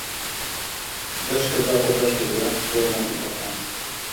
Des que es va posar a escriure es creu molt important.